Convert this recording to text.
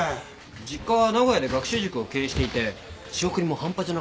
実家は名古屋で学習塾を経営していて仕送りも半端じゃなかったらしいすよ。